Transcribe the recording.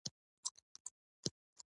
نوموړې طبقه د جغل او خاورې څخه جوړیږي